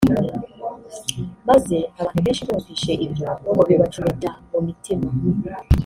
maze abantu benshi bumvise ibyo ngo bibacumita mu mitima